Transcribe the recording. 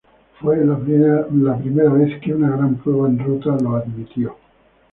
Fue la primera vez que una gran prueba en ruta lo admitió.